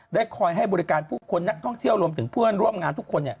คอยให้บริการผู้คนนักท่องเที่ยวรวมถึงเพื่อนร่วมงานทุกคน